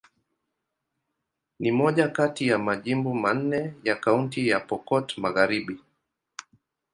Ni moja kati ya majimbo manne ya Kaunti ya Pokot Magharibi.